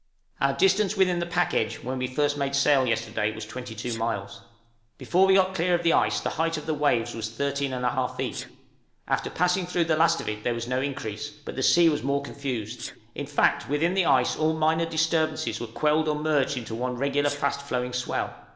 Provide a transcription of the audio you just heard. Our distance within the pack edge, where we first made sail yesterday, was 22 miles. Before we got clear of the ice the height of the waves was 13 1/2 feet; after passing through the last of it there was no increase, but the sea was more confused; in fact, within the ice all minor disturbances were quelled or merged into one regular fast following swell.